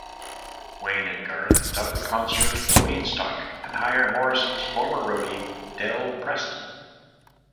Wayne and Garth dub the concert "Waynestock" and hire Morrison's former roadie, Del Preston.